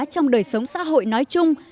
trong đời sống xã hội nói chung